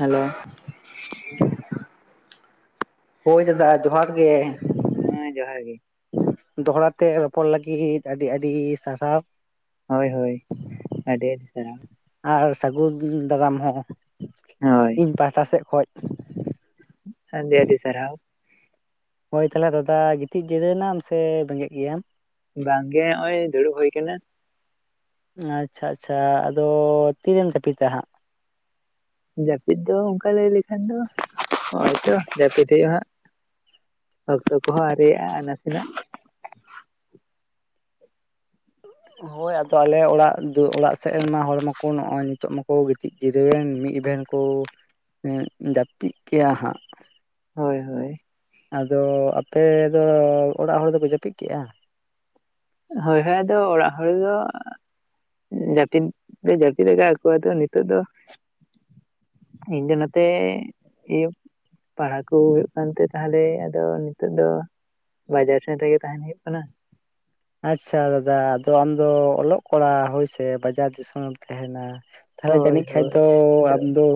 Hello ᱦᱳᱭ ᱫᱟᱫᱟ ᱡᱚᱦᱟᱨ ᱜᱮ ᱦᱮᱸᱻ ᱡᱚᱦᱟᱨ ᱜᱮ ᱫᱚᱦᱲᱟ ᱛᱮ ᱨᱚᱯᱚᱲ ᱞᱟᱹᱜᱤᱫ ᱟᱹᱰᱤ ᱟᱹᱰᱤ ᱥᱟᱨᱦᱟᱣ᱾ ᱦᱳᱭ ᱦᱳᱭ ᱟᱹᱰᱤ ᱟᱹᱰᱤ ᱥᱟᱨᱦᱟᱣ᱾ ᱟᱨ ᱥᱟᱹᱜᱩᱱ ᱫᱟᱨᱟᱢ ᱦᱚᱸ ᱦᱳᱭ ᱤᱧ ᱯᱟᱦᱴᱟ ᱥᱮᱜ ᱠᱷᱚᱡ ᱟᱹᱰᱤ ᱟᱹᱰᱤ ᱥᱟᱨᱟᱣ ᱦᱳᱭ ᱛᱟᱦᱟᱞᱮ ᱫᱟᱫᱟ ᱜᱤᱛᱤᱡ ᱡᱤᱨᱟᱹᱣᱱᱟᱢ ᱥᱮ ᱵᱮᱸᱜᱮᱫ ᱜᱮᱭᱟᱢ? ᱵᱟᱝᱜᱮ ᱱᱚᱜᱼᱚᱭ ᱫᱩᱲᱩᱵ ᱦᱩᱭ ᱠᱟᱱᱟ ᱾ ᱟᱪᱷᱟ-ᱟᱪᱷᱟ ᱟᱫᱚ ᱛᱤᱨᱮᱢ ᱡᱟᱯᱤᱫᱛᱮ ᱦᱟᱸᱜ? ᱡᱟᱹᱯᱤᱫ ᱫᱚ ᱚᱱᱠᱟ ᱞᱟᱹᱭ ᱞᱮᱠᱷᱟᱱ ᱫᱚ ᱱᱚᱜᱼᱚᱭ ᱛᱚ ᱡᱟᱹᱯᱤᱫ ᱦᱩᱭᱩᱜᱼᱟ ᱦᱟᱸᱜ᱾ ᱚᱠᱛᱚ ᱠᱚᱦᱚᱸ ᱟᱨᱮᱭᱟᱜᱼᱟ ᱟᱨ ᱱᱟᱥᱮᱱᱟᱜ ᱦᱚᱭ ᱟᱫᱚ ᱟᱞᱮ ᱚᱲᱟᱜ ᱫᱩ ᱚᱲᱟᱜ ᱥᱮᱫ ᱨᱮᱱᱢᱟ ᱦᱚᱲ ᱢᱟᱠᱚ ᱱᱚᱜᱼᱚᱭ ᱱᱤᱛᱚᱜ ᱢᱟᱠᱚ ᱜᱤᱛᱤᱡ ᱡᱤᱨᱟᱹᱣᱮᱱ ᱢᱤᱫ ᱮᱵᱷᱮᱱ ᱠᱚ ᱡᱟᱹᱯᱤᱫ ᱠᱮᱜ-ᱟ ᱦᱟᱸᱜ ᱦᱚᱭ-ᱦᱚᱭ ᱟᱫᱚ ᱟᱯᱮᱫ ᱫᱚ ᱚᱲᱟᱜ ᱦᱚᱲ ᱫᱚᱠᱚ ᱡᱟᱹᱯᱤᱫ ᱠᱮᱫᱼᱟ? ᱦᱚᱭ-ᱦᱚᱭ ᱟᱫᱚ ᱚᱲᱟᱜ ᱦᱚᱲᱫᱚ ᱡᱟᱹᱯᱤᱫ, ᱡᱟᱹᱯᱤᱫ ᱟᱠᱟᱜ ᱟᱠᱚ ᱟᱫᱚ ᱱᱤᱛᱚᱜ ᱫᱚ ᱤᱧ ᱫᱚ ᱱᱚᱛᱮ ᱤᱭᱟᱹ ᱯᱟᱲᱦᱟᱣ ᱠᱚ ᱦᱩᱭᱩᱜ ᱠᱟᱱᱛᱮ ᱛᱟᱦᱚᱞᱮ ᱟᱫᱚ ᱱᱤᱛᱚᱜ ᱫᱚ ᱵᱟᱡᱟᱨ ᱥᱮᱱ ᱨᱮᱜᱮ ᱛᱟᱦᱮᱱ ᱦᱩᱭᱩᱜ ᱠᱟᱱᱟ᱾ ᱟᱪᱷᱟ ᱫᱟᱫᱟ ᱟᱫᱚ ᱟᱢᱫᱚ ᱚᱞᱚᱜ ᱠᱚᱲᱟ ᱦᱚᱭᱥᱮ ᱵᱟᱡᱟᱨ ᱫᱤᱥᱚᱢᱮ ᱨᱮᱢ ᱛᱟᱦᱮᱱᱟ ᱛᱟᱦᱚᱞᱮ ᱦᱳᱭ ᱡᱟᱹᱱᱤᱡ ᱠᱷᱟᱱᱡ ᱦᱳᱭ ᱫᱚ ᱟᱫᱚ ᱟᱢᱫᱚ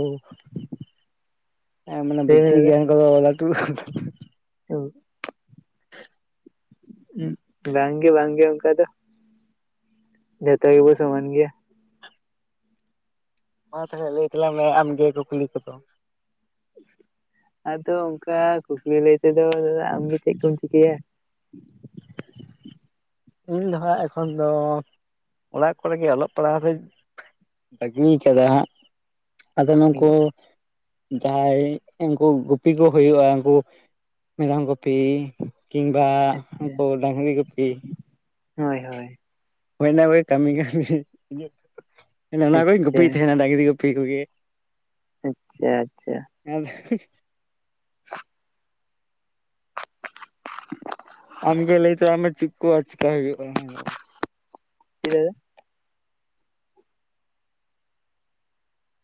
ᱦᱮᱸ ᱢᱟᱱᱮ ᱞᱟᱹᱭ ᱢᱮ ᱵᱩᱫᱽᱫᱷᱤ ᱫᱟᱫᱟ ᱜᱮᱭᱟ ᱠᱚ ᱫᱚ ᱞᱟᱴᱷᱩ ᱞᱟᱴᱷᱩ ᱾ [unintelligible] ᱵᱟᱝᱜᱮ-ᱵᱟᱝᱜᱮ ᱚᱱᱠᱟ ᱫᱚ ᱡᱚᱛᱚ ᱜᱮᱵᱚ ᱥᱚᱢᱟᱱ ᱜᱮᱭᱟ ᱢᱟ ᱛᱟᱦᱚᱞᱮ ᱞᱟᱹᱭ ᱛᱟᱞᱟᱝ ᱢᱮ ᱟᱢ ᱜᱮ ᱠᱩᱠᱞᱤ ᱠᱚᱫᱚ ᱟᱫᱚ ᱚᱱᱠᱟ ᱠᱩᱠᱞᱤ ᱞᱟᱹᱭ ᱛᱮᱫᱚ ᱫᱟᱫᱟ ᱟᱢ ᱜᱮ ᱪᱮᱫ ᱠᱚᱢ ᱪᱤᱠᱟᱹᱭᱟ ᱤᱧ ᱫᱚ ᱦᱟᱸᱜ ᱮᱠᱷᱚᱱ ᱫᱚ ᱚᱲᱟᱜ ᱠᱚᱨᱮ ᱜᱮ ᱚᱞᱚᱜ ᱯᱟᱲᱦᱟᱣᱚᱜ ᱨᱮ ᱵᱟᱹᱜᱤ ᱠᱟᱫᱟ ᱦᱟᱸᱜ ᱟᱫᱚ ᱱᱩᱠᱩ ᱡᱟᱦᱟᱸᱭ ᱩᱱᱠᱩ ᱜᱩᱯᱤ ᱠᱚ ᱦᱩᱭᱩᱜᱼᱟ᱾ ᱩᱱᱠᱩ ᱢᱮᱨᱚᱢ ᱜᱩᱯᱤ ᱠᱤᱢᱵᱟ ᱩᱱᱠᱩ ᱰᱟᱹᱝᱨᱤ ᱜᱩᱯᱤ ᱦᱚᱭ-ᱦᱚᱭ ᱦᱚᱭ ᱚᱱᱟ ᱠᱚᱜᱮ ᱠᱟᱹᱢᱤ, ᱠᱟᱹᱢᱤ ᱚᱱᱟ ᱠᱚᱧ ᱟᱪᱪᱷᱟ ᱜᱩᱯᱤᱭ ᱛᱟᱦᱮᱱᱟ ᱰᱟᱹᱝᱨᱤ ᱜᱩᱯᱤ ᱠᱚᱜᱮ ᱟᱪᱷᱟ-ᱟᱪᱷᱟ ᱟᱫᱚ ᱪᱮᱫ ᱦᱚᱸ ᱵᱟᱝ ᱟᱸᱡᱚᱢᱚᱜ ᱠᱟᱱᱟ ᱟᱢᱜᱮ ᱞᱟᱹᱭ ᱛᱟᱞᱟᱝ ᱢᱮ ᱪᱮᱫ ᱠᱚ ᱟᱨ ᱪᱮᱠᱟ ᱦᱩᱭᱩᱜᱼᱟ? ᱦᱤᱲᱟᱹ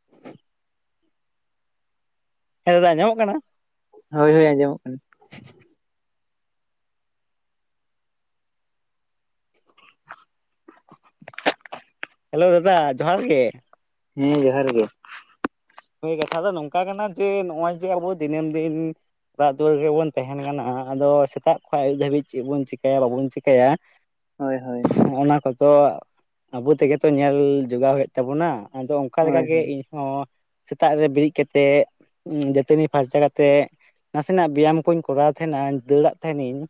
ᱪᱮᱫ ᱦᱚᱸ ᱵᱟᱝ ᱟᱸᱡᱚᱢᱚᱜ ᱠᱟᱱᱟ ᱦᱮᱸ ᱫᱟᱫᱟ ᱟᱸᱧᱟᱢᱚᱜ ᱠᱟᱱᱟ ᱦᱚᱭ-ᱦᱚᱭ ᱟᱸᱡᱚᱢᱚᱜ ᱠᱟᱱᱟ ᱪᱮᱫ ᱦᱚᱸ ᱵᱟᱝ ᱟᱸᱡᱚᱢᱚᱜ ᱠᱟᱱᱟ ᱦᱮᱞᱚ ᱫᱟᱫᱟ ᱡᱚᱦᱟᱨ ᱜᱮ ᱦᱮᱸ ᱡᱚᱦᱟᱨ ᱜᱮ ᱦᱚᱭ ᱠᱟᱛᱷᱟ ᱫᱚ ᱱᱚᱝᱠᱟ ᱠᱟᱱᱟ ᱡᱮ ᱱᱚᱜᱼᱚᱭ ᱡᱮ ᱟᱵᱚ ᱫᱤᱱᱟᱹᱢ-ᱫᱤᱱ ᱚᱲᱟᱜ ᱫᱩᱣᱟᱹᱨ ᱨᱮᱜᱮᱵᱚᱱ ᱛᱟᱦᱮᱱ ᱠᱟᱱᱟ ᱟᱫᱚ ᱥᱮᱛᱟᱜ ᱠᱷᱚᱱ ᱟᱹᱭᱩᱵ ᱫᱷᱟᱹᱵᱤᱡ ᱪᱮᱫ ᱵᱚᱱ ᱪᱮᱠᱟᱹᱭᱟ ᱵᱟᱵᱚᱱ ᱪᱮᱠᱟᱭᱟ? ᱪᱮᱫ ᱦᱚᱸ ᱵᱟᱝ ᱟᱸᱡᱚᱢᱚᱜ ᱠᱟᱱᱟ ᱦᱚᱭ-ᱦᱚᱭ ᱚᱱᱟ ᱠᱚᱫᱚ ᱟᱵᱚ ᱛᱮᱜᱮ ᱛᱚ ᱧᱮᱞ ᱡᱚᱜᱟᱣ ᱦᱩᱭᱩᱜ ᱛᱟᱵᱚᱱᱟ ᱟᱫᱚ ᱚᱱᱠᱟ ᱞᱮᱠᱟ ᱦᱳᱭ ᱜᱮ ᱦᱳᱭ ᱤᱧ ᱦᱚᱸ ᱥᱮᱛᱟᱜ ᱨᱮ ᱵᱮᱨᱮᱫ ᱠᱟᱛᱮᱫ ᱫᱟᱹᱛᱟᱹᱱᱤ ᱯᱷᱟᱨᱪᱟ ᱠᱟᱛᱮᱫ ᱱᱟᱥᱮᱱᱟᱜ ᱵᱮᱭᱟᱢ ᱠᱚᱧ ᱠᱚᱨᱟᱣ ᱛᱟᱦᱮᱱᱟ ᱫᱟᱹᱲᱟᱜ ᱛᱟᱦᱮᱱᱤᱧ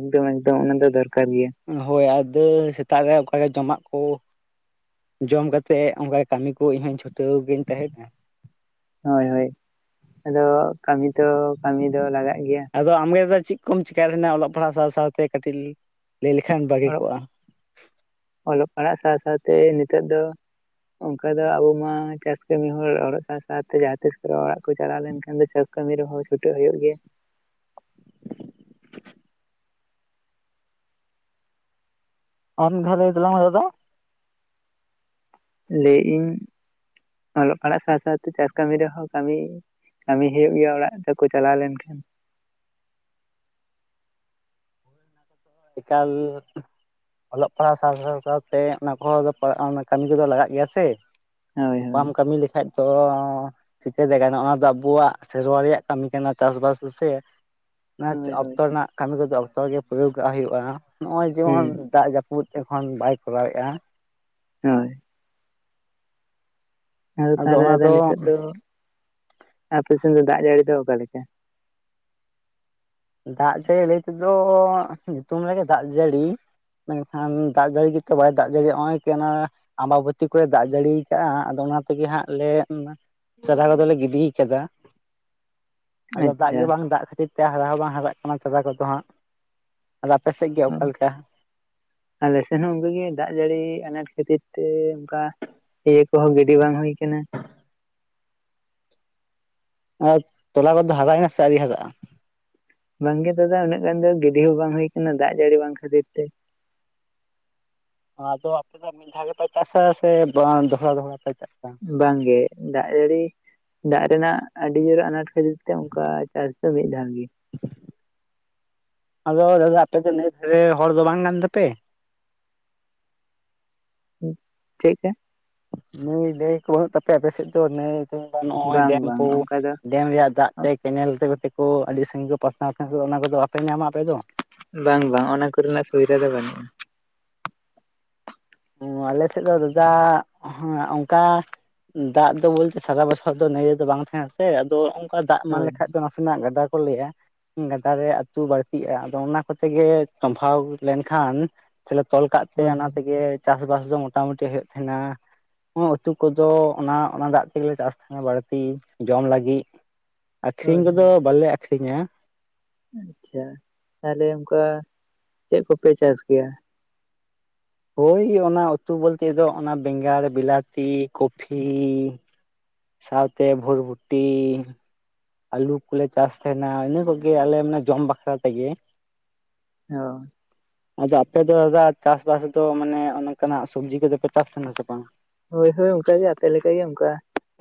ᱮᱠᱫᱚᱢ-ᱮᱠᱫᱚᱢ ᱚᱱᱟ ᱫᱚ ᱚᱱᱟ ᱫᱚ ᱫᱚᱨᱠᱟᱨ ᱜᱮᱭᱟ ᱦᱚᱭ ᱟᱫᱚ ᱥᱮᱛᱟᱜ ᱨᱮ ᱚᱱᱠᱟ ᱜᱮ ᱡᱚᱢᱟᱜ ᱠᱚ ᱡᱚᱢ ᱠᱟᱛᱮᱫ ᱚᱱᱠᱟ ᱠᱟᱹᱢᱤ ᱠᱚ ᱤᱧ ᱦᱚᱸ ᱪᱷᱩᱴᱟᱹᱣ ᱜᱤᱧ ᱛᱟᱦᱮᱸᱱᱟ ᱦᱚᱭ-ᱦᱚᱭ ᱟᱫᱚ ᱠᱟᱹᱢᱤ ᱛᱚ ᱠᱟᱹᱢᱤ ᱫᱚ ᱞᱟᱜᱟᱜ ᱜᱮᱭᱟ ᱟᱫᱚ ᱟᱢᱜᱮ ᱫᱟᱫᱟ ᱪᱮᱫ ᱠᱚᱢ ᱪᱮᱠᱟᱭ ᱛᱟᱦᱮᱱᱟ ᱚᱞᱚᱜ ᱯᱟᱲᱦᱟᱜ ᱥᱟᱶ-ᱥᱟᱣᱛᱮ ᱠᱟᱹᱴᱤᱡ ᱞᱟᱹᱭ ᱞᱮᱠᱷᱟᱱ ᱵᱷᱟᱜᱮ ᱚᱞᱚᱜ ᱠᱚᱜᱼᱟ᱾ ᱚᱞᱚᱜ ᱯᱟᱲᱦᱟᱜ ᱥᱟᱶ-ᱥᱟᱣᱛᱮ ᱱᱤᱛᱚᱜ ᱫᱚ ᱚᱱᱠᱟ ᱫᱚ ᱟᱵᱚ ᱢᱟ ᱪᱟᱥ ᱠᱟᱹᱢᱤ ᱦᱚᱲ ᱚᱲᱚᱜ ᱥᱟᱶ-ᱥᱟᱣᱛᱮ ᱡᱟᱦᱟᱸ ᱛᱤᱥ ᱠᱚᱨᱮ ᱚᱲᱟᱜ ᱠᱚ ᱪᱟᱞᱟᱣ ᱞᱮᱱᱠᱷᱟᱱ ᱫᱚ ᱪᱟᱥ ᱠᱟᱹᱢᱤ ᱨᱮᱦᱚᱸ ᱪᱷᱩᱴᱟᱹᱜ ᱦᱩᱭᱩᱜ ᱜᱮᱭᱟ᱾ ᱟᱢ ᱢᱤᱫ ᱫᱷᱟ ᱞᱟᱹᱭ ᱛᱟᱞᱟᱝ ᱢᱮ ᱫᱟᱫᱟ ᱾ ᱞᱟᱹᱭᱮᱜ ᱤᱧ ᱚᱞᱚᱜ ᱯᱟᱲᱦᱟᱜ ᱥᱟᱶ ᱥᱟᱶᱛᱮ ᱪᱟᱥ ᱠᱟᱹᱢᱤ ᱨᱮᱦᱚᱸ ᱠᱟᱹᱢᱤ ᱠᱟᱹᱢᱤ ᱦᱳᱭᱳᱜ ᱜᱮᱭᱟ ᱚᱲᱟᱜ ᱛᱮᱠᱚ ᱪᱟᱞᱟᱣ ᱞᱮᱱᱠᱷᱟᱱ ᱾ ᱮᱠᱟᱞ ᱚᱞᱚᱜ ᱯᱟᱲᱦᱟᱣ ᱥᱟᱶ ᱥᱟᱶ ᱥᱟᱶᱛᱮ ᱚᱱᱟ ᱠᱚᱦᱚᱸ [unintelligible] ᱚᱱᱟ ᱠᱟᱹᱢᱤ ᱠᱚᱫᱚ ᱞᱟᱜᱟᱜ ᱜᱮᱭᱟ ᱥᱮ ᱾ ᱦᱳᱭ ᱦᱳᱭ ᱵᱟᱢ ᱠᱟᱹᱢᱤ ᱞᱮᱠᱷᱟᱡ ᱛᱚ ᱪᱤᱠᱟᱹᱛᱮ ᱜᱟᱱᱚᱜ ᱚᱱᱟ ᱫᱚ ᱟᱵᱚᱣᱟᱜ ᱥᱮᱨᱣᱟ ᱨᱮᱭᱟᱜ ᱠᱟᱹᱢᱤ ᱠᱟᱱᱟ ᱪᱟᱥᱵᱟᱥ ᱥᱮ ᱚᱱᱟ ᱦᱳᱭ ᱦᱳᱭ ᱚᱠᱛᱚ ᱨᱮᱱᱟᱜ ᱠᱟᱹᱢᱤ ᱠᱚᱫᱚ ᱚᱠᱛᱚ ᱨᱮ ᱜᱮ ᱯᱨᱭᱳᱜᱟᱜ ᱦᱩᱭᱩᱜᱼᱟ ᱾ ᱱᱚᱜᱼᱚᱭ ᱡᱮᱢᱚᱱ ᱦᱩᱸ ᱫᱟᱜ ᱡᱟᱹᱯ ᱯᱩᱫ ᱮᱠᱷᱚᱱ ᱵᱟᱭ ᱠᱚᱨᱟᱣᱮᱜᱼᱟ ᱾ ᱦᱳᱭ ᱾ ᱟᱫᱚ ᱛᱟᱦᱚᱞᱮ ᱟᱫᱚ ᱱᱤᱛᱚᱜ ᱫᱚ ᱟᱯᱮ ᱥᱮᱱ ᱫᱚ ᱫᱟᱜ ᱡᱟᱹᱲᱤ ᱫᱚ ᱚᱠᱟ ᱞᱮᱠᱟ? ᱫᱟᱜ ᱡᱟᱹᱲᱤ ᱞᱟᱹᱭ ᱛᱮᱫᱚ ᱧᱩᱛᱩᱢ ᱨᱮᱜᱮ ᱫᱟᱜ ᱡᱟᱹᱲᱤ ᱾ ᱢᱮᱱᱠᱷᱟᱱ ᱫᱟᱜ ᱡᱟᱹᱲᱤ ᱜᱮᱛᱚ ᱵᱟᱭ ᱫᱟᱜ ᱡᱟᱹᱲᱤᱭᱮᱫ ᱱᱚᱜᱼᱚᱭ ᱠᱮᱱᱳ ᱟᱢᱵᱟᱵᱚᱛᱤ ᱠᱚᱨᱮ ᱫᱟᱜ ᱡᱟᱹᱲᱤ ᱟᱠᱟᱜᱼᱟ ᱟᱫᱚ ᱚᱱᱟ ᱛᱮᱜᱮ ᱦᱟᱸᱜ ᱞᱮ ᱪᱟᱨᱟ ᱠᱚᱫᱚ ᱞᱮ ᱜᱤᱰᱤ ᱠᱟᱫᱟ ᱾ ᱟᱫᱚ ᱫᱟᱜ ᱜᱮ ᱟᱪᱪᱷᱟ ᱵᱟᱝ ᱫᱟᱜ ᱠᱷᱟᱹᱛᱤᱨ ᱛᱮ ᱦᱟᱨᱟ ᱦᱚᱸ ᱵᱟᱝ ᱦᱟᱨᱟᱜ ᱠᱟᱱᱟ ᱛᱚᱞᱟ ᱠᱚᱫᱚ ᱦᱟᱸᱜ ᱾ ᱟᱫᱚ ᱟᱯᱮ ᱥᱮᱫ ᱜᱮ ᱚᱠᱟ ᱞᱮᱠᱟ? ᱟᱞᱮ ᱥᱮᱱ ᱦᱚᱸ ᱚᱱᱠᱟᱜᱮ ᱫᱟᱜ ᱡᱟᱹᱲᱤ ᱟᱱᱟᱴ ᱠᱷᱟᱹᱛᱤᱨ ᱛᱮ ᱚᱱᱠᱟ ᱤᱭᱟᱹ ᱠᱚᱦᱚᱸ ᱜᱤᱰᱤ ᱵᱟᱝ ᱦᱩᱭ ᱟᱠᱟᱱᱟ ᱾ ᱟᱨ ᱛᱚᱞᱟ ᱠᱚᱫᱚ ᱦᱟᱨᱟᱭᱮᱱᱟ ᱥᱮ ᱟᱹᱣᱨᱤ ᱦᱟᱨᱟᱜᱼᱟ? ᱵᱟᱝ ᱜᱮ ᱫᱟᱫᱟ ᱩᱱᱟᱹᱜ ᱜᱟᱱ ᱫᱚ ᱜᱤᱰᱤ ᱦᱚᱸ ᱵᱟᱝ ᱦᱩᱭ ᱟᱠᱟᱱᱟ ᱫᱟᱜ ᱡᱟᱹᱲᱤ ᱵᱟᱝ ᱠᱷᱟᱹᱛᱤᱨ ᱛᱮ ᱾ ᱟᱫᱚ ᱟᱯᱮ ᱫᱚ ᱢᱤᱫ ᱫᱷᱟᱣ ᱜᱮᱯᱮ ᱪᱟᱥᱟ ᱥᱮ ᱚᱸ ᱫᱚᱦᱚᱲᱟ ᱫᱚᱦᱚᱲᱟ ᱯᱮ ᱪᱟᱥᱟ? ᱵᱟᱝ ᱜᱮ ᱫᱟᱜ ᱡᱟᱹᱲᱤ ᱫᱟᱜ ᱨᱮᱱᱟᱜ ᱟᱹᱰᱤ ᱡᱳᱨ ᱟᱱᱟᱴ ᱠᱷᱟᱹᱛᱤᱨ ᱛᱮ ᱚᱱᱠᱟ ᱪᱟᱥ ᱫᱚ ᱢᱤᱫ ᱫᱷᱟᱣ ᱜᱮ ᱾ ᱟᱫᱚ ᱫᱟᱫᱟ ᱟᱯᱮ ᱫᱚ ᱱᱟᱹᱭ ᱫᱷᱟᱨ ᱦᱚᱲ ᱫᱚ ᱵᱟᱝ ᱠᱟᱱ ᱛᱟᱯᱮ? ᱪᱮᱫ ᱠᱟ? ᱱᱟᱹᱭ ᱱᱟᱹᱭ ᱠᱚ ᱵᱟᱹᱱᱩᱜ ᱛᱟᱯᱮᱭᱟ ᱟᱯᱮ ᱥᱮᱫ ᱫᱚ ᱱᱟᱹᱭ ᱠᱤᱝᱵᱟ ᱱᱚᱜᱼᱚᱭ ᱵᱟᱝ ᱰᱮᱢ ᱵᱟᱝ ᱠᱚ? ᱚᱱᱠᱟ ᱫᱚ ᱰᱮᱢ ᱨᱮᱭᱟᱜ ᱫᱟᱜ ᱛᱮ ᱠᱮᱱᱮᱞ ᱛᱮ ᱠᱚ ᱛᱮ ᱠᱚ ᱟᱹᱰᱤ ᱥᱟᱺᱜᱤᱧ ᱠᱚ ᱯᱟᱥᱱᱟᱣ ᱛᱟᱦᱮᱸ ᱚᱱᱟ ᱠᱚᱫᱚ ᱵᱟᱯᱮ ᱧᱟᱢᱟ ᱟᱯᱮ ᱫᱚ? ᱵᱟᱝ ᱵᱟᱝ ᱚᱱᱟ ᱠᱚᱨᱮᱱᱟᱜ ᱥᱩᱵᱤᱫᱷᱟ ᱫᱚ ᱵᱟᱹᱱᱩᱜᱼᱟ ᱾ ᱟᱞᱮ ᱥᱮᱫ ᱫᱚ ᱫᱟᱫᱟ ᱚᱱᱠᱟ ᱫᱟᱜ ᱫᱚ ᱵᱚᱞᱛᱮ ᱥᱟᱨᱟ ᱵᱚᱪᱷᱚᱨ ᱫᱚ ᱱᱟᱹᱭ ᱨᱮ ᱫᱚ ᱵᱟᱝ ᱛᱟᱦᱮᱸᱱᱟ ᱥᱮ, ᱟᱫᱚ ᱚᱝᱠᱟ ᱫᱟᱜ ᱮᱢᱟᱱ ᱦᱳᱭ ᱞᱮᱠᱷᱟᱡ ᱫᱚ ᱥᱮᱱᱟᱜ ᱜᱟᱰᱟ ᱠᱚ ᱞᱟᱹᱭᱟ ᱾ ᱜᱟᱰᱟ ᱨᱮ ᱟᱹᱛᱩ ᱵᱟᱹᱲᱛᱤᱜᱼᱟ, ᱟᱫᱚ ᱚᱱᱟ ᱠᱚᱛᱮ ᱜᱮ ᱥᱚᱢᱵᱷᱟᱣ ᱞᱮᱱᱠᱷᱟᱱ ᱥᱮᱞᱮ ᱛᱚᱞ ᱠᱟᱜ ᱛᱮ ᱦᱳᱭ ᱚᱱᱟ ᱛᱮᱜᱮ ᱪᱟᱥ ᱵᱟᱥ ᱫᱚ ᱢᱚᱴᱟ ᱢᱩᱴᱤ ᱦᱩᱭᱩᱜ ᱛᱟᱦᱮᱸᱱᱟ ᱾ ᱩᱛᱩ ᱠᱚᱫᱚ ᱚᱱᱟ ᱚᱱᱟ ᱫᱟᱜ ᱛᱮᱜᱮ ᱞᱮ ᱪᱟᱥ ᱛᱟᱦᱮᱱᱟ ᱵᱟᱲᱛᱤ ᱡᱚᱢ ᱞᱟᱹᱜᱤᱫ ᱾ ᱟᱹᱠᱷᱨᱤᱧ ᱦᱳᱭ ᱠᱚᱫᱚ ᱦᱳᱭ ᱵᱟᱞᱮ ᱟᱠᱷᱨᱤᱧᱟ ᱾ ᱟᱪᱪᱷᱟ, ᱛᱟᱦᱚᱞᱮ ᱚᱱᱠᱟ ᱪᱮᱫ ᱠᱚᱯᱮ ᱪᱟᱥ ᱜᱮᱭᱟ? ᱦᱳᱭ ᱚᱱᱟ ᱩᱛᱩ ᱵᱚᱞᱛᱮ ᱫᱚ ᱚᱱᱟ ᱵᱮᱸᱜᱟᱲ, ᱵᱞᱟᱹᱛᱤ, ᱠᱚᱯᱷᱤ ᱥᱟᱶᱛᱮ ᱵᱷᱨᱵᱩᱴᱤ ᱟᱹᱞᱩ ᱠᱚᱞᱮ ᱪᱟᱥ ᱛᱟᱦᱮᱱᱟ ᱤᱱᱟᱹ ᱠᱚᱜᱮ ᱟᱞᱮ ᱢᱟᱱᱮ ᱡᱚᱢ ᱵᱟᱠᱷᱨᱟ ᱛᱮᱜᱮ ᱾ ᱚ ᱾ ᱟᱫᱚ ᱟᱯᱮ ᱫᱚ ᱫᱟᱫᱟ ᱪᱟᱥ ᱵᱟᱥ ᱫᱚ ᱢᱟᱱᱮ ᱚᱱᱠᱟᱱᱟᱜ ᱥᱚᱵᱽᱡᱤ ᱠᱚᱫᱚ ᱯᱮ ᱪᱟᱥ ᱛᱟᱦᱮᱱᱟ ᱥᱮ ᱵᱟᱝ? ᱦᱳᱭ ᱦᱳᱭ ᱚᱱᱠᱟ ᱜᱮ ᱟᱯᱮ ᱞᱮᱠᱟ ᱜᱮ ᱚᱱᱠᱟ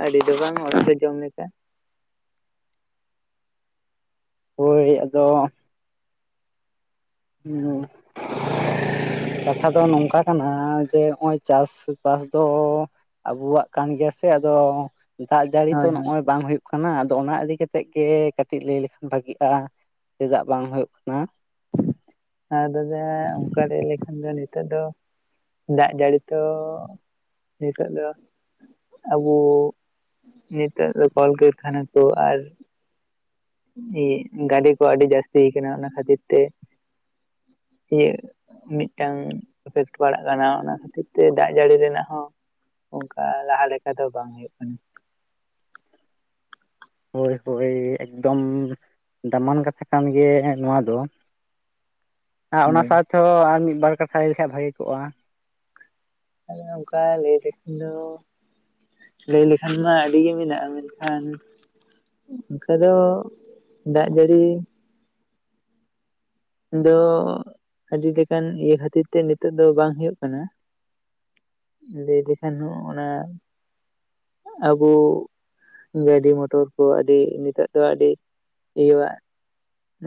ᱟᱹᱰᱤ ᱫᱚ ᱵᱟᱝ ᱚᱲᱟᱜ ᱨᱮ ᱡᱚᱢ ᱞᱮᱠᱟ ᱾ ᱦᱳᱭ ᱟᱫᱚ ᱦᱩᱸ, [inaudible] ᱠᱟᱛᱷᱟ ᱫᱚ ᱱᱚᱝᱠᱟ ᱠᱟᱱᱟ ᱡᱮ ᱱᱚᱜᱼᱚᱭ ᱪᱟᱥ ᱵᱟᱥ ᱫᱚ ᱟᱵᱚᱣᱟᱜ ᱠᱟᱱ ᱜᱮᱭᱟ ᱥᱮ ᱟᱫᱚ ᱫᱟᱜ ᱡᱟᱹᱲᱤ ᱛᱚ ᱦᱳᱭ ᱦᱳᱭ ᱱᱚᱜᱼᱚᱭ ᱵᱟᱝ ᱦᱩᱭᱩᱜ ᱠᱟᱱᱟ ᱟᱫᱚ ᱚᱱᱟ ᱤᱫᱤ ᱠᱟᱛᱮ ᱜᱮ ᱠᱟᱹᱴᱤᱡ ᱞᱟᱹᱭ ᱞᱮᱠᱷᱟᱱ ᱵᱷᱟᱜᱤᱜᱼᱟ ᱪᱮᱫᱟᱜ ᱵᱟᱝ ᱦᱩᱭᱩᱜ ᱠᱟᱱᱟ? ᱟᱨ ᱫᱟᱫᱟ ᱚᱱᱠᱟ ᱞᱟᱹᱭ ᱞᱮᱠᱷᱟᱱ ᱫᱚ ᱱᱤᱛᱚᱜ ᱫᱚ ᱫᱟᱜ ᱡᱟᱹᱲᱤ ᱛᱚ ᱱᱤᱛᱚᱜ ᱫᱚ ᱟᱵᱚ ᱱᱤᱛᱟᱨ ᱫᱚ ᱠᱚᱞ ᱠᱟᱹᱨᱠᱷᱟᱱᱟ ᱠᱚ ᱟᱨ ᱜᱟᱹᱰᱤ ᱠᱚ ᱟᱹᱰᱤ ᱡᱟᱹᱥᱛ ᱠᱟᱱᱟ ᱚᱱᱟ ᱠᱷᱟᱹᱛᱤᱨ ᱛᱮ ᱤᱭᱟᱹ ᱢᱤᱫᱴᱟᱝ ᱤᱯᱷᱮᱠᱴ ᱯᱟᱲᱟᱜ ᱠᱟᱱᱟ ᱚᱱᱟ ᱠᱷᱟᱹᱛᱤᱨ ᱛᱮ ᱫᱟᱜ ᱡᱟᱹᱲᱤ ᱨᱮᱱᱟᱜ ᱦᱚᱸ ᱚᱱᱠᱟ ᱞᱟᱦᱟ ᱞᱮᱠᱟ ᱫᱚ ᱵᱟᱝ ᱦᱩᱭᱩᱜ ᱠᱟᱱᱟ ᱾ ᱦᱳᱭ ᱦᱳᱭ ᱮᱠᱫᱚᱢ ᱫᱟᱢᱟᱱ ᱠᱟᱛᱷᱟ ᱠᱟᱱ ᱜᱮᱭᱟ ᱱᱚᱣᱟ ᱫᱚ ᱾ ᱟᱨ ᱚᱱᱟ ᱦᱳᱭ ᱥᱟᱶ ᱛᱮᱦᱚᱸ ᱟᱨ ᱢᱤᱫ ᱵᱟᱨ ᱠᱟᱛᱷᱟ ᱞᱟᱹᱭ ᱞᱮᱠᱷᱟᱱ ᱵᱷᱟᱜᱮ ᱠᱚᱜᱼᱟ᱾ ᱟᱫᱚ ᱚᱱᱠᱟ ᱞᱟᱹᱭ ᱞᱮᱠᱷᱟᱱ ᱫᱚ ᱞᱟᱹᱭ ᱞᱮᱠᱷᱟᱱ ᱢᱟ ᱟᱹᱰᱤ ᱜᱮ ᱢᱮᱱᱟᱜᱼᱟ ᱢᱮᱱᱠᱷᱟᱱ ᱚᱱᱠᱟ ᱫᱚ ᱫᱟᱜ ᱡ ᱟᱹᱲᱤ ᱫᱚ ᱟᱹᱰᱤᱞᱮᱠᱟᱱ ᱤᱭᱟᱹ ᱠᱷᱟᱹᱛᱤᱨ ᱛᱮ ᱱᱤᱛᱚᱜ ᱫᱚ ᱵᱟᱝ ᱦᱩᱭᱩᱜ ᱠᱟᱱᱟ ᱾ ᱞᱟᱹᱭ ᱞᱮᱠᱷᱟᱱ ᱦᱚᱸ ᱚᱱᱟ ᱟᱵᱚ ᱜᱟᱹᱰᱤ ᱢᱚᱴᱚᱨ ᱠᱚ ᱟᱹᱰᱤ ᱱᱤᱛᱚᱜ ᱫᱚ ᱟᱹᱰᱤ ᱤᱭᱟᱹᱣᱟ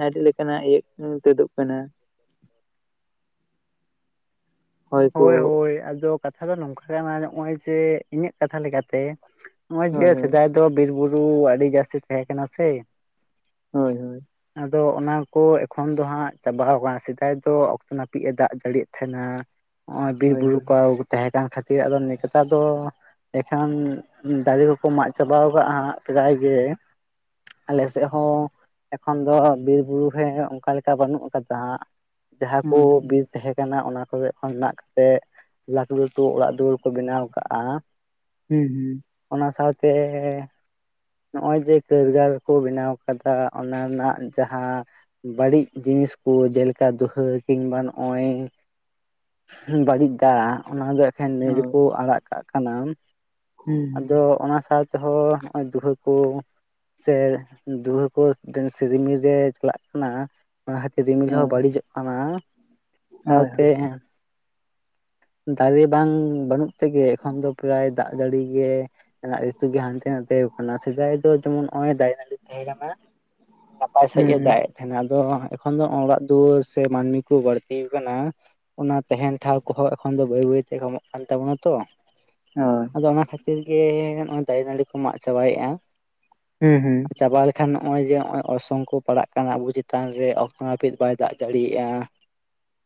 ᱟᱹᱰᱤ ᱞᱮᱠᱟᱱᱟᱜ ᱤᱭᱟᱹ [inaudible] ᱛᱩᱫᱩᱜ ᱠᱟᱱᱟ [inaudible] ᱦᱚᱭ ᱠᱚ ᱦᱳᱭ ᱦᱳᱭ ᱟᱫᱚ ᱠᱟᱛᱷᱟ ᱫᱚ ᱱᱚᱝᱠᱟ [inaudible] ᱱᱚᱜᱼᱚᱭ ᱡᱮ ᱤᱧᱟᱹᱜ ᱠᱟᱛᱷᱟ ᱞᱮᱠᱟᱛᱮ ᱱᱚᱜᱼᱚᱭ ᱡᱮ ᱦᱳᱭ ᱦᱳᱭ ᱥᱮᱫᱟᱭ ᱫᱚ ᱵᱤᱨ ᱵᱩᱨᱩ ᱟᱹᱰᱤ ᱡᱟᱹᱥᱛᱤ ᱛᱟᱦᱮᱸ ᱠᱟᱱᱟ ᱥᱮ ᱦᱳᱭ ᱦᱳᱭ ᱟᱫᱚ ᱚᱱᱟ ᱠᱚ ᱮᱠᱷᱚᱱ ᱫᱚ ᱦᱟᱸᱜ ᱪᱟᱵᱟᱣ ᱠᱟᱱᱟ ᱥᱮᱫᱟᱭ ᱫᱚ ᱚᱠᱛᱚ ᱱᱟᱹᱯᱤᱛ ᱮ ᱫᱟᱜ ᱡᱟᱹᱲᱤᱭᱮᱫ ᱛᱟᱦᱮᱱᱟ ᱾ ᱱᱚᱜᱼᱚᱭ ᱵᱤᱨ ᱦᱳᱭ ᱦᱳᱭ ᱵᱩᱨᱩ ᱠᱚ ᱛᱟᱦᱮᱸ ᱠᱟᱱ ᱠᱷᱟᱹᱛᱤᱨ ᱟᱫᱚ ᱱᱮᱛᱟᱨ ᱫᱚ ᱮᱱᱠᱷᱟᱱ ᱫᱟᱨᱮ ᱫᱚᱠᱚ ᱢᱟᱜ ᱪᱟᱵᱟᱣ ᱠᱟᱜᱼᱟ ᱯᱨᱟᱭ ᱜᱮ ᱟᱞᱮ ᱥᱮᱜ ᱦᱚᱸ ᱮᱠᱷᱚᱱ ᱫᱚ ᱵᱤᱨ ᱵᱩᱨᱩ ᱨᱮ ᱚᱱᱠᱟ ᱞᱮᱠᱟ ᱵᱟᱹᱱᱩᱜ ᱠᱟᱫᱟ ᱾ ᱡᱟᱦᱟᱸ ᱠᱚ ᱦᱳᱭ ᱵᱤᱨ ᱛᱟᱦᱮᱸ ᱠᱟᱱᱟ ᱚᱱᱟ ᱠᱚᱨᱮ ᱠᱷᱚᱱ ᱢᱮᱱᱟᱜ ᱛᱮ ᱞᱟᱹᱴᱩ ᱞᱟᱹᱴᱩ ᱚᱲᱟᱜ ᱫᱩᱣᱟᱹᱨ ᱠᱚ ᱵᱮᱱᱟᱣ ᱟᱠᱟᱫᱼᱟ ᱾ ᱦᱩ ᱦᱩ᱾ ᱚᱱᱟ ᱥᱟᱶᱛᱮ ᱱᱚᱜ-ᱚᱭ ᱡᱮ ᱠᱟᱹᱨᱜᱚᱞ ᱠᱚ ᱵᱮᱱᱟᱣ ᱠᱟᱫᱟ ᱚᱱᱟ ᱨᱮᱱᱟᱜ ᱡᱟᱦᱟᱸ ᱵᱟᱹᱲᱤᱡᱽ ᱡᱤᱱᱤᱥ ᱠᱚ ᱡᱮᱞᱮᱠᱟ ᱫᱩᱸᱦᱟᱹ ᱠᱤᱝᱵᱟ ᱱᱚᱜ-ᱚᱭ ᱵᱟᱹᱲᱤᱡᱽ ᱫᱟᱜ ᱚᱱᱟ ᱫᱚ ᱮᱠᱷᱮᱱ ᱱᱟᱹᱭ ᱦᱳᱭ ᱨᱮᱠᱚ ᱟᱲᱟᱜ ᱠᱟᱜ ᱠᱟᱱᱟ᱾ ᱦᱩᱸ ᱦᱩᱸ ᱟᱫᱚ ᱚᱱᱟ ᱥᱟᱶ ᱛᱮᱦᱚᱸ ᱱᱚᱜᱼᱚᱭ ᱫᱩᱸᱦᱟᱹ ᱠᱚ ᱥᱮ ᱫᱩᱣᱟᱹ ᱠᱚ ᱥᱮ ᱨᱤᱢᱤᱞ ᱨᱮ ᱪᱟᱞᱟᱜ ᱠᱟᱱᱟ᱾ ᱚᱱᱟ ᱠᱷᱟᱹᱛᱤᱨ ᱨᱤᱢᱤᱞ ᱦᱚᱸ ᱦᱳᱭ ᱵᱟᱹᱲᱤᱡᱚᱜ ᱠᱟᱱᱟ ᱦᱳᱭ ᱦᱳᱭ ᱥᱟᱶᱛᱮ ᱫᱟᱨᱮ ᱵᱟᱝ ᱵᱟᱹᱱᱩᱜ ᱛᱮᱜᱮ ᱮᱠᱷᱚᱱ ᱫᱚ ᱯᱨᱟᱭ ᱫᱟᱜ ᱡᱟᱹᱲᱤ ᱜᱮ ᱨᱤᱛᱩ ᱜᱮ ᱦᱟᱱᱛᱮ ᱱᱟᱛᱮ ᱠᱟᱱᱟ ᱥᱮᱫᱟᱭ ᱫᱚ ᱡᱮᱢᱚᱱ ᱱᱚᱜ-ᱚᱭ ᱫᱟᱨᱮ ᱱᱟᱹᱲᱤ ᱛᱟᱦᱮᱸ ᱠᱟᱱᱟ᱾ ᱱᱟᱯᱟᱭ ᱦᱩᱸ ᱥᱟ-ᱤᱡ ᱮ ᱦᱩᱸ ᱫᱟᱭ᱾ ᱛᱟᱦᱮᱱᱟ ᱟᱫᱚ ᱮᱠᱷᱚᱱ ᱫᱚ ᱚᱲᱟᱜ ᱫᱩᱣᱟᱹᱨ ᱥᱮ ᱢᱟᱹᱱᱢᱤ ᱠᱚ ᱵᱟᱹᱲᱛᱤ ᱟᱠᱟᱱᱟ ᱚᱱᱟ ᱛᱟᱦᱮᱸᱱ ᱴᱷᱟᱶ ᱠᱚᱦᱚᱸ ᱮᱠᱷᱚᱱ ᱫᱚ ᱵᱟᱹᱭ ᱵᱟᱹᱭ ᱛᱮ ᱠᱚᱢᱚᱜ ᱠᱟᱱ ᱛᱟᱵᱚᱱᱟ ᱛᱚ᱾ ᱦᱳᱭ, ᱟᱫᱚ ᱚᱱᱟ ᱠᱷᱟᱹᱛᱤᱨ ᱜᱮ ᱱᱚᱜᱼᱚᱭ ᱫᱟᱨᱮ ᱱᱟᱹᱲᱤ ᱠᱚ ᱢᱟᱜ ᱪᱟᱵᱟᱭᱮᱫ-ᱟ᱾ ᱦᱩᱸ ᱦᱩᱸ ᱪᱟᱵᱟ ᱞᱮᱠᱷᱟᱱ ᱱᱚᱜ-ᱚᱭ ᱡᱮ ᱱᱚᱜ-ᱚᱭ ᱚᱨᱥᱚᱝ ᱠᱚ ᱯᱟᱲᱟᱜ ᱠᱟᱱᱟ ᱟᱵᱚ ᱪᱮᱛᱟᱱ ᱨᱮ ᱚᱠᱛᱚ ᱱᱟᱹᱯᱤᱛ ᱵᱟᱭ ᱫᱟᱜ ᱡᱟᱹᱲᱤᱭ-ᱟ᱾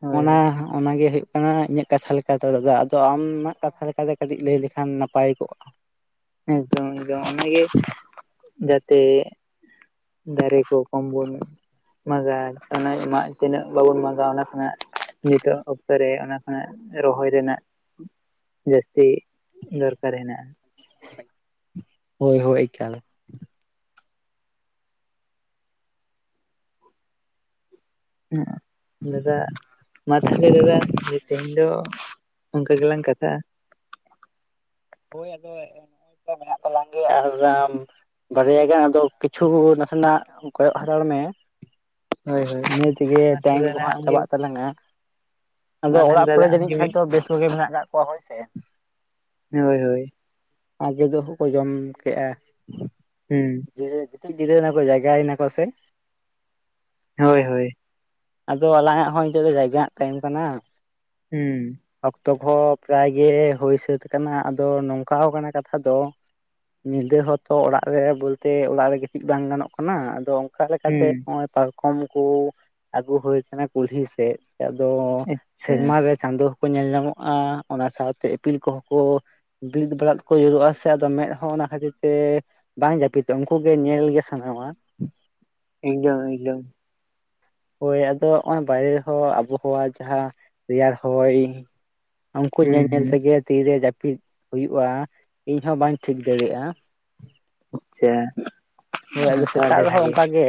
ᱦᱳᱭ ᱚᱱᱟ ᱦᱳᱭ ᱚᱱᱟᱜᱮ ᱦᱩᱭᱩᱜ ᱚᱱᱟ ᱤᱧᱟᱹᱜ ᱠᱟᱛᱷᱟ ᱞᱮᱠᱟᱛᱮ ᱫᱚ ᱟᱫᱚ ᱟᱢᱟᱜ ᱠᱟᱛᱷᱟ ᱞᱮᱠᱟᱛᱮ ᱠᱟᱹᱴᱤᱡ ᱞᱟᱹᱭ ᱞᱮᱠᱷᱟᱱ ᱱᱟᱯᱟᱭ ᱠᱚᱜ-ᱟ᱾ ᱮᱠᱫᱚᱢ ᱮᱠᱫᱚᱢ ᱚᱱᱟᱜᱮ ᱡᱟᱛᱮ ᱫᱟᱨᱮ ᱠᱚ ᱠᱚᱢ ᱵᱚᱱ ᱢᱟᱜᱟ ᱚᱱᱟ ᱢᱟᱜ ᱛᱤᱱᱟᱹᱜ ᱵᱟᱵᱚᱱ ᱢᱟᱜᱟ ᱚᱱᱟ ᱠᱷᱚᱱᱟᱜ ᱱᱤᱛᱚᱜ ᱚᱠᱛᱚ ᱨᱮ ᱚᱱᱟ ᱠᱷᱚᱱᱟᱜ ᱨᱚᱦᱚᱭ ᱨᱮᱱᱟᱜ ᱡᱟᱹᱥᱛᱤ ᱫᱚᱨᱠᱟᱨ ᱦᱮᱱᱟᱜ-ᱟ᱾ ᱦᱳᱭ ᱦᱳᱭ ᱮᱠᱟᱞ᱾ ᱦᱩᱸ ᱞᱮᱫᱟ ᱢᱟ ᱛᱟᱦᱚᱞᱮ ᱞᱮᱫᱟ ᱛᱮᱦᱮᱸᱧ ᱫᱚ ᱚᱱᱠᱟ ᱜᱮᱞᱟᱝ ᱠᱟᱛᱷᱟ-ᱟ᱾ ᱦᱳᱭ ᱟᱫᱚ ᱱᱚᱜ-ᱚᱭ ᱛᱚ ᱢᱮᱱᱟᱜ ᱛᱟᱞᱟᱝ ᱜᱮᱭᱟ ᱟᱨ ᱟᱢ ᱵᱟᱨᱮᱭᱟ ᱜᱟᱱ ᱟᱫᱚ ᱠᱤᱪᱷᱩ ᱱᱟᱥᱮᱱᱟᱜ ᱠᱚᱭᱚᱜ ᱦᱟᱛᱟᱲ ᱢᱮ, ᱦᱳᱭ ᱦᱳᱭ ᱤᱱᱟᱹ ᱛᱮᱜᱮ ᱢᱟ ᱛᱟᱦᱚᱞᱮ ᱴᱟᱭᱤᱢ ᱠᱚ ᱫᱟᱫᱟ ᱦᱟᱜ ᱟᱢᱜᱮ ᱪᱟᱵᱟᱜ ᱛᱟᱞᱟᱝᱟ, ᱟᱫᱚ ᱢᱟ ᱛᱟᱦᱚᱞᱮ ᱚᱲᱟᱜ ᱠᱚᱨᱮ ᱫᱟᱫᱟ ᱡᱟᱹᱱᱤᱡ ᱟᱢᱜᱮ ᱠᱷᱟᱡ ᱢᱤᱫ ᱫᱚ ᱵᱮᱥ ᱠᱚᱜᱮ ᱢᱮᱱᱟᱜ ᱠᱟᱜ ᱠᱚᱣᱟ ᱦᱳᱭᱥᱮ᱾ ᱦᱳᱭ ᱦᱳᱭ ᱟᱡᱚᱫᱚᱦᱚ ᱠᱚ ᱡᱚᱢ ᱠᱮᱜ-ᱟ᱾ ᱦᱩᱸ, ᱡᱮᱥᱮ ᱜᱤᱛᱤᱡ ᱡᱤᱨᱟᱹᱣᱱᱟ ᱠᱚ ᱡᱟᱭᱜᱟᱭᱮᱱᱟ ᱠᱚ ᱥᱮ᱾ ᱦᱳᱭ ᱦᱳᱭ ᱟᱫᱚ ᱟᱞᱟᱝᱟᱜ ᱦᱚᱸ ᱱᱤᱛᱚᱜ ᱫᱚ ᱡᱟᱭᱜᱟᱱᱟᱜ ᱴᱟᱭᱤᱢ ᱠᱟᱱᱟ᱾ ᱦᱩᱸ ᱚᱠᱛᱚ ᱠᱚᱦᱚᱸ ᱯᱨᱟᱭ ᱜᱮ ᱦᱩᱭ ᱥᱟᱹᱛ ᱠᱟᱱᱟ ᱟᱫᱚ ᱱᱚᱝᱠᱟ ᱠᱟᱱᱟ ᱠᱟᱛᱷᱟ ᱫᱚ ᱧᱤᱫᱟᱹ ᱦᱚᱸᱛᱚ ᱚᱲᱟᱜ ᱨᱮ ᱵᱟᱹᱛᱮ ᱚᱲᱟᱜ ᱨᱮ ᱜᱤᱛᱤᱡᱽ ᱵᱟᱝ ᱜᱟᱱᱚᱜ ᱠᱟᱱᱟ ᱟᱫᱚ ᱚᱠᱟ ᱞᱮᱠᱟᱛᱮ ᱦᱩᱸ ᱱᱚᱜ-ᱚᱭ ᱯᱟᱨᱠᱚᱢ ᱠᱚ ᱟᱹᱜᱩ ᱦᱩᱭ ᱠᱟᱱᱟ ᱠᱩᱞᱦᱤ ᱥᱮᱫ, ᱟᱫᱚ ᱟᱪᱪᱷᱟ ᱥᱮᱨᱢᱟ ᱨᱮ ᱪᱟᱸᱫᱚ ᱦᱚᱸᱠᱚ ᱧᱮᱞ ᱧᱟᱢᱚᱜ-ᱟ ᱚᱱᱟ ᱥᱟᱶᱛᱮ ᱤᱯᱤᱞ ᱠᱚᱦᱚᱸ ᱠᱚ ᱵᱤᱫ ᱵᱟᱲᱟᱫ ᱠᱚ ᱡᱩᱨᱟᱹᱜ-ᱟ ᱥᱮ ᱟᱫᱚ ᱢᱮᱫ ᱦᱚ ᱚᱱᱟ ᱠᱷᱟᱹᱛᱤᱨ ᱛᱮ ᱵᱟᱝ ᱡᱟᱹᱯᱤᱫᱚᱜ ᱩᱱᱠᱩᱜ ᱜᱮ ᱧᱮᱞᱜᱮ ᱥᱟᱱᱟᱣᱟ᱾ [unintelligible] ᱦᱳᱭ ᱟᱫᱚ ᱱᱚᱜ-ᱚᱭ ᱵᱟᱭᱨᱮ ᱨᱮᱦᱚᱸ ᱟᱵᱚ-ᱦᱟᱣᱟ ᱡᱟᱦᱟᱸ ᱨᱮᱭᱟᱲ ᱦᱚᱭ ᱩᱱᱠᱩ ᱦᱩᱸ ᱧᱮᱞ ᱧᱮᱞ ᱦᱩᱸ ᱛᱮᱜᱮ ᱛᱤᱨᱮ ᱡᱟᱹᱯᱤᱫ ᱦᱩᱭᱩᱜ-ᱟ, ᱤᱧ ᱦᱚᱸ ᱵᱟᱹᱧ ᱴᱷᱤᱠ ᱫᱟᱲᱮᱭᱟᱜ-ᱟ᱾ ᱟᱪᱪᱷᱟ ᱦᱳᱭ ᱟᱫᱚ ᱚᱱᱠᱟ ᱥᱮᱛᱟᱜ ᱟᱹᱰᱤ ᱨᱮᱦᱚᱸ ᱵᱷᱟᱜᱮ ᱚᱱᱠᱟ ᱜᱮ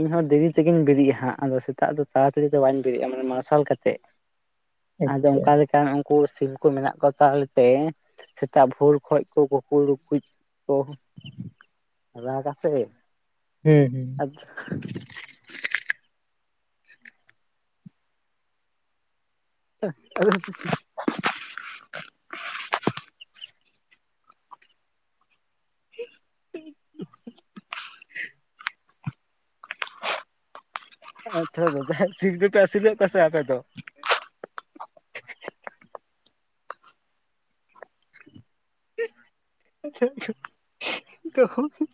ᱤᱧᱦᱚᱸ ᱫᱮᱨᱤ ᱛᱮᱜᱤᱧ ᱵᱤᱨᱤᱜ-ᱟ ᱦᱟᱸᱜ ᱟᱫᱚ ᱥᱮᱛᱟᱜ ᱫᱚ ᱛᱟᱲᱟᱛᱟᱲᱤ ᱫᱚ ᱵᱟᱹᱧ ᱵᱮᱨᱜ-ᱟ ᱢᱟᱱᱮ ᱢᱟᱨᱥᱟᱞ ᱠᱟᱛᱮᱜ ᱟᱫᱚ ᱟᱪᱪᱷᱟ ᱚᱝᱠᱟ ᱞᱮᱠᱟᱱ ᱩᱱᱠᱩ ᱥᱤᱢ ᱠᱚ ᱢᱮᱱᱟᱜ ᱠᱚ ᱛᱟᱞᱮ ᱛᱮ ᱥᱮᱛᱟᱜ ᱵᱷᱳᱨ ᱠᱷᱚᱡ ᱠᱚ ᱠᱩᱠᱩᱲᱠᱩᱡ ᱠᱚ ᱨᱟᱜᱟ ᱥᱮ ᱾ ᱦᱩᱸ ᱦᱩᱸ ᱟᱪᱪᱷᱟ [inaudible] ᱟᱪᱪᱷᱟ ᱫᱟᱫᱟ ᱥᱤᱢ ᱫᱚᱯᱮ ᱟᱹᱥᱩᱞᱮᱜ ᱠᱚᱣᱟ ᱥᱮ ᱟᱯᱮ ᱫᱚ? [inaudible]